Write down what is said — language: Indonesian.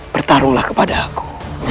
bertarunglah kepada aku